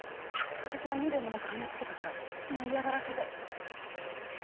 私がにべもなくはねつけたからその嫌がらせで。